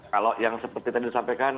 kalau yang seperti tadi disampaikan